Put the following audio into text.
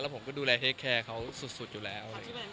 ผมก็ดูแลเฮ้แคร์เขาสุดอยู่แล้ว